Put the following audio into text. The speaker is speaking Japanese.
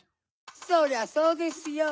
そりゃそうですよ。